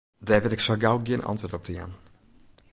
Dêr wit ik sa gau gjin antwurd op te jaan.